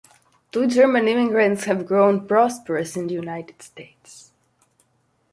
Two German immigrants have grown prosperous in the United States.